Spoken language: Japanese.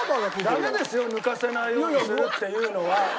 ダメですよ抜かせないようにするっていうのは。